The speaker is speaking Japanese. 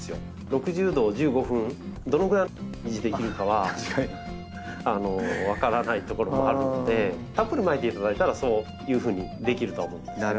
６０度を１５分どのぐらい維持できるかは分からないところもあるのでたっぷりまいていただいたらそういうふうにできるとは思うんですけども。